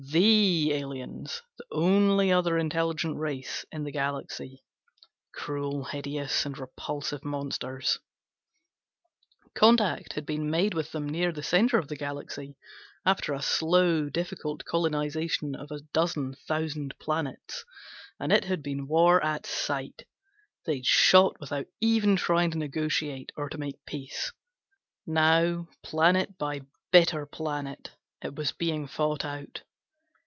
The aliens, the only other intelligent race in the Galaxy ... cruel, hideous and repulsive monsters. Contact had been made with them near the center of the Galaxy, after the slow, difficult colonization of a dozen thousand planets; and it had been war at sight; they'd shot without even trying to negotiate, or to make peace. Now, planet by bitter planet, it was being fought out.